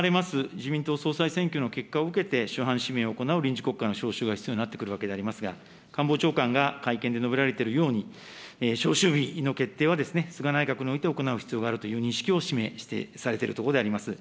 自民党総裁選挙の結果を受けて、首班指名を行う臨時国会の召集が必要になってくるわけでありますが、官房長官が会見で述べられているように、召集日の決定は、菅内閣において行う必要があるという認識を示されているところであります。